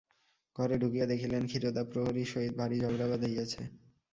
ঘরে ঢুকিয়া দেখিলেন ক্ষীরোদা প্রহরীর সহিত ভারি ঝগড়া বাধাইয়াছে।